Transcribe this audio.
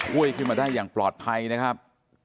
ช่วยขึ้นมาได้อย่างปลอดภัยนะครับ